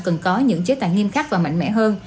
cần có những chế tài nghiêm khắc và mạnh mẽ hơn